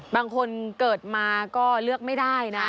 บางคนเกิดมาก็เลือกไม่ได้นะ